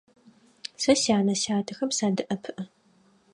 Сэ сянэ-сятэхэм садэӀэпыӀэ.